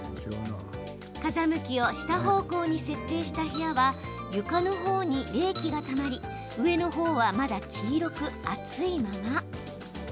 風向きを下方向に設定した部屋は床のほうに冷気がたまり上のほうはまだ黄色く、暑いまま。